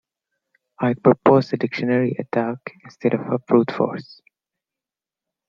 I'd propose a dictionary attack instead of brute force.